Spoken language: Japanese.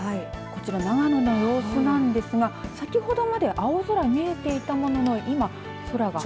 こちら長野の様子なんですが先ほどまで青空見えていたものの今、空が。